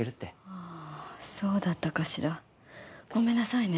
あぁそうだったかしら。ごめんなさいね。